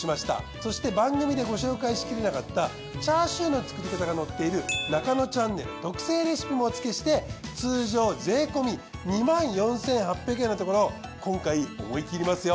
そして番組でご紹介しきれなかったチャーシューの作り方が載っているナカノチャンネル特製レシピもおつけして通常税込２４，８００円のところ今回思い切りますよ